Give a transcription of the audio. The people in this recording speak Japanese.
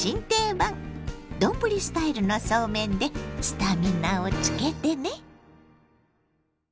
丼スタイルのそうめんでスタミナをつけてね。